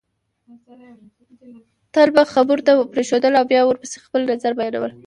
تل بل خبرو ته پرېښودل او بیا ورپسې خپل نظر بیانول